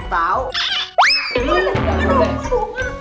bukan darah adik